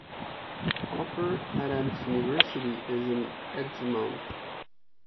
Harper Adams University is in Edgmond.